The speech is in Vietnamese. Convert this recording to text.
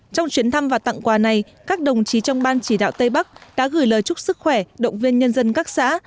trong chuyến thăm và tặng quà này các đồng chí trong ban chỉ đạo tây bắc đã gửi lời chúc sức khỏe động viên nhân dân các xã